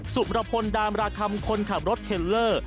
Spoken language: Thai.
สุมรพลดามราคำคนขับรถเทลเลอร์